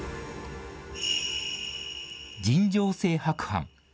尋常性白斑。